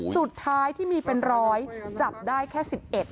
สุดท้ายที่มีเป็นร้อยจับได้แค่๑๑